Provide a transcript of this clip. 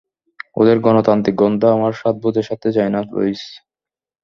ওদের গণতান্ত্রিক গন্ধ আমার স্বাদবোধের সাথে যায় না, লুইস।